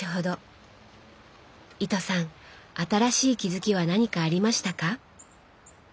糸さん新しい気づきは何かありましたか？